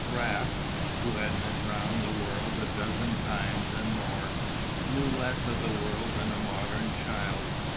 Raft, who had been round the world a dozen times and more, knew less of the world than a modern child.